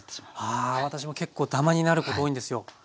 あ私も結構ダマになること多いんですよ。